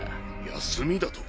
休みだと？